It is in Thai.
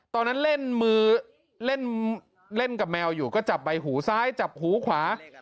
ตอนนั้นเล่นมือเล่นกับแมวอยู่ก็จับใบหูซ้ายจับหูขวา